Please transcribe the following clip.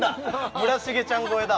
村重ちゃん超えだ